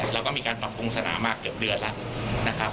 และมีการปรับปรุงสนามมากกว่าเดือนแล้ว